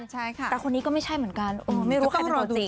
ใช่ค่ะแต่คนนี้ก็ไม่ใช่เหมือนกันเอาไม่รู้ต้องรอดูต่อไปน่ะ